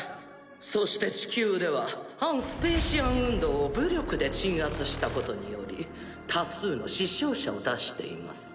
そして地球では反スペーシアン運動を武力で鎮圧したことにより多数の死傷者を出しています。